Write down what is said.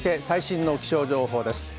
最新の気象情報です。